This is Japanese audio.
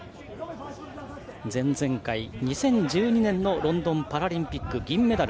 前々回２０１２年のロンドンパラリンピックで銀メダル。